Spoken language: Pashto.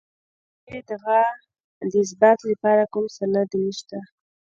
د دې ادعا د اثبات لپاره کوم سند نشته.